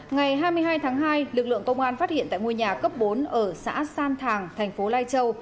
ngày hai mươi hai tháng hai lực lượng công an phát hiện tại ngôi nhà cấp bốn ở xã san thàng thành phố lai châu